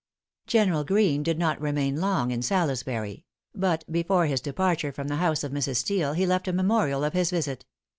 General Greene did not remain long in Salisbury; but before his departure from the house of Mrs. Steele, he left a memorial of his visit.